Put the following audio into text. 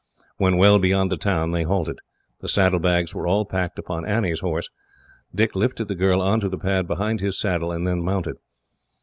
When well beyond the town, they halted. The saddlebags were all packed upon Annie's horse. Dick lifted the girl on to the pad behind his saddle, and then mounted.